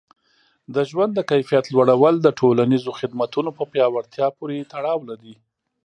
د ژوند د کیفیت لوړول د ټولنیزو خدمتونو په پیاوړتیا پورې تړاو لري.